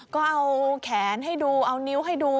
ก็เอาแขนให้ดูเอานิ้วให้ดู